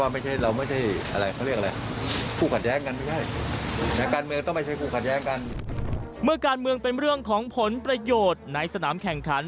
เมื่อการเมืองเป็นเรื่องของผลประโยชน์ในสนามแข่งขัน